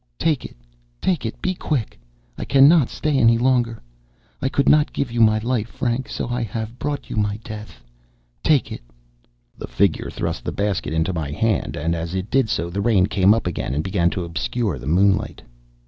Take it—take it; be quick, I cannot stay any longer. I could not give you my life, Frank, so I have brought you my death—take it!" The figure thrust the basket into my hand, and as it did so the rain came up again, and began to obscure the moonlight.